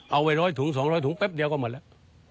เอาไป๑๐๐ถุง๒๐๐ถุงแป๊บเดียวก็หมดแล้ว